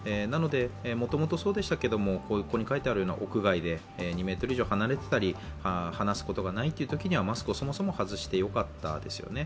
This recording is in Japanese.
もともとそうでしたけど、屋外で２ｍ以上離れていたり、話すことがないというときはマスクをそもそも外してよかったですよね。